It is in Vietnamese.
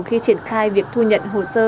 khi triển khai việc thu nhận hồ sơ